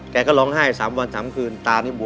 แกก็ร้องไห้๓วัน๓คืนตานี่บว